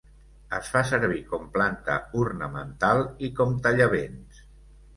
Es fa servir com planta ornamental i com tallavents.